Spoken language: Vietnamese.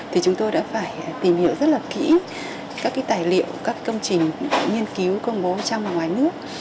thì chúng tôi đã phải tìm hiểu rất là kỹ các tài liệu các công trình nghiên cứu công bố trong và ngoài nước